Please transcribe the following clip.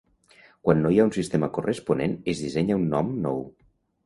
Quan no hi ha un sistema corresponent, es dissenya un nom nou.